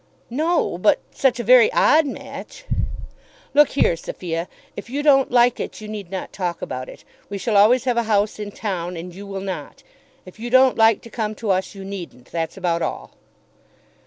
"No; but such a very odd match!" "Look here, Sophia. If you don't like it, you need not talk about it. We shall always have a house in town, and you will not. If you don't like to come to us, you needn't. That's about all."